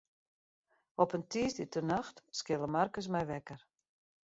Op in tiisdeitenacht skille Markus my wekker.